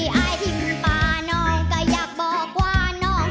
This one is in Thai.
สิไปทางได้กล้าไปน้องบ่ได้สนของพ่อสำนี